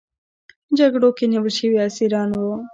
جګړو کې نیول شوي اسیران وو.